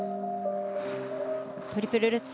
トリプルルッツ。